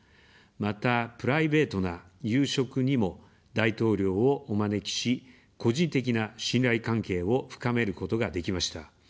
また、プライベートな夕食にも大統領をお招きし、個人的な信頼関係を深めることができました。